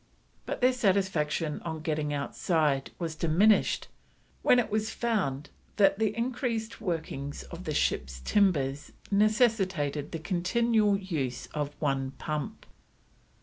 But their satisfaction in getting outside was diminished when it was found that the increased working of the ship's timbers necessitated the continual use of one pump.